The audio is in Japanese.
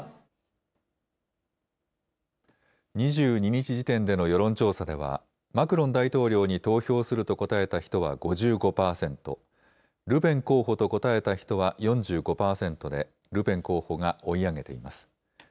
２２日時点での世論調査では、マクロン大統領に投票すると答えた人は５５％、ルペン候補と答えた人は４５％で、ルペン候補が追い上げています。